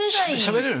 しゃべれる？